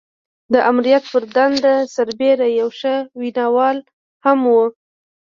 د آمريت پر دنده سربېره يو ښه ويناوال هم و.